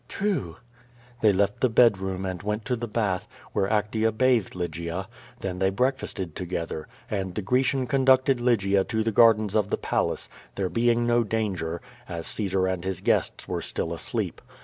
"True." They left the bed room and went to the bath, where Actea bathed Lygia; then they breakfasted together, and the Gre cian conducted Lygia to the gardens of the palace, there being no danger, as Caesar and his guests were still asleep.